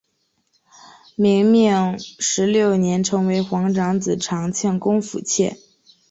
明命十六年成为皇长子长庆公府妾。